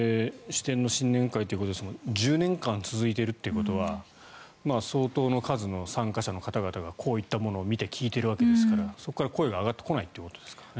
支店の新年会ということですが１０年間続いているということは相当の数の参加者の方々がこういったものを見て聞いているわけですからそこから声が上がってこないということですからね。